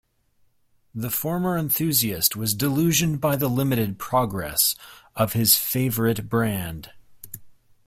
The former enthusiast was disillusioned by the limited progress of his favourite brand.